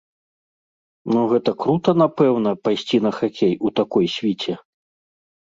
Ну гэта крута, напэўна, пайсці на хакей у такой свіце.